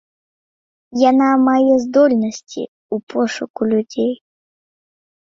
Яна мае здольнасці ў пошуку людзей.